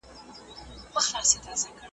په رڼو سترګو چي خوب کړي دا پر مړو حسابیږي .